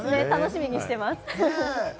楽しみにしてます。